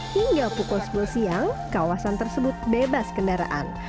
hingga pukul sepuluh siang kawasan tersebut bebas kendaraan